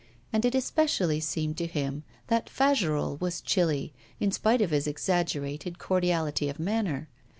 And it especially seemed to him that Fagerolles was chilly, in spite of his exaggerated cordiality of manner.